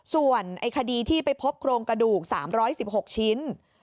ส่วนคดีที่ไปพบโครงกระดูก๓๑๖ชิ้น